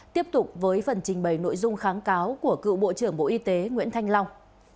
tiếp tục với phần trình bày nội dung kháng cáo của cựu bộ trưởng bộ y tế nguyễn thanh long